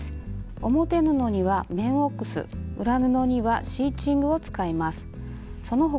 表布には綿オックス裏布にはシーチングを使います。